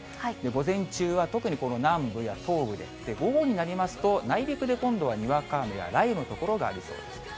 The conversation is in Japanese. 午前中は特にこの南部や東部で、午後になりますと、内陸で今度はにわか雨や雷雨の所がありそうです。